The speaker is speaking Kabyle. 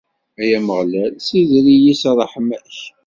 Ay Ameɣlal, ssider-iyi s ṛṛeḥma-k!